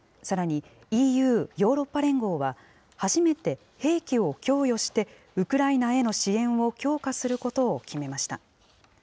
さらにＥＵ・ヨーロッパ連合は初めて兵器を供与して、ウクライナへの支援を強化することを決めました。